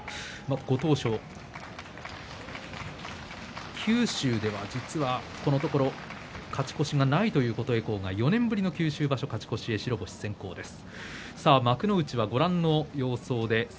ご当所、九州ではこのところ勝ち越しがないという琴恵光が４年ぶりの勝ち越しへ白星先行です。